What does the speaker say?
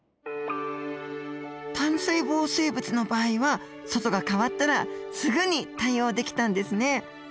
単細胞生物の場合は外が変わったらすぐに対応できたんですね。